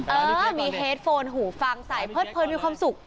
เออมีเฮดโฟนหูฟังใสเพิดเพลินมีความสุข